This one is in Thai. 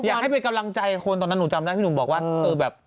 อยากให้เป็นกำลังใจตอนนั้นก็พูดแล้ว